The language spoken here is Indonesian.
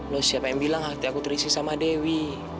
loh siapa yang bilang hati aku terisi sama dewi